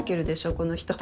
この人。